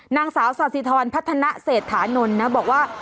นางสาวสาธิธรพัฒนาเศรษฐานนท์นะบอกว่า